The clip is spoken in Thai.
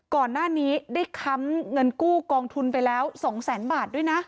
ก่อนหน้านี้ได้ค้ำเงินกู้กองทุนไปแล้ว๒แสนบาทด้วยนะ